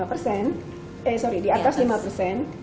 eh sorry di atas lima persen